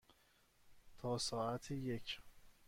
تا ساعت یک.